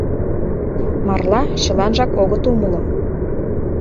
— Марла чыланжак огыт умыло.